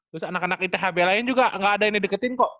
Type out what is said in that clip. terus anak anak ithb lain juga gak ada yang di deketin kok